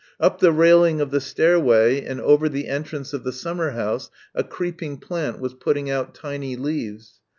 Up the railing of the stairway and over the entrance of the summer house a creeping plant was putting out tiny leaves.